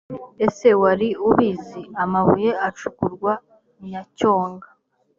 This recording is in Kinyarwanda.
ese wari ubizi?amabuye acukurwa nyacyonga